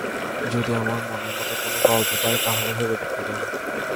যদি আমার মনের মতো কোনো গল্প পাই, তাহলে ভেবে দেখতে পারি।